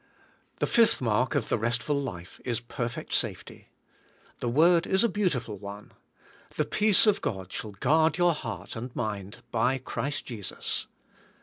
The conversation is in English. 5. Fifth mark of the restful life is perfect safety. The word is a beautiful one. "The peace of God shall g uard your heart and mind by Christ Jesus."